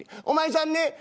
お前さんね